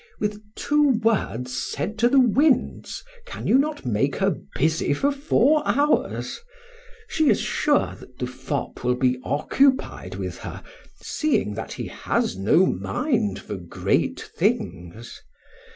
With two words said to the winds, can you not make her busy for four hours? She is sure that the fop will be occupied with her, seeing that he has no mind for great things.